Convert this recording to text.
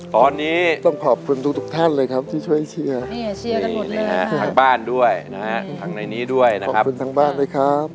ตอนนี้ต้องขอบคุณทุกท่านเลยครับที่ช่วยเชื่อกันทางบ้านด้วยนะฮะทางในนี้ด้วยนะครับขอบคุณทางบ้านด้วยครับ